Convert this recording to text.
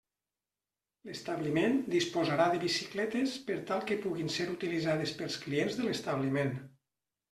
L'establiment disposarà de bicicletes per tal que puguin ser utilitzades pels clients de l'establiment.